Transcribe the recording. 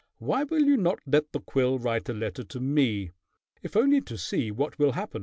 "Why will you not let the quill write a letter to me, if only to see what will happen?"